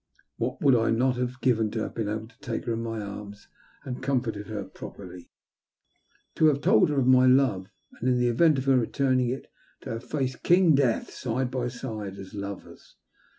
What would I not have given to have been able to take her in my arms and have comforted her properly !— to have told her of my love, and, in the event of her returning it, to have faced King Death side by side as lovers.